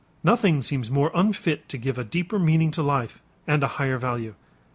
Nothing seems more unfit to give a deeper meaning to life and a higher value.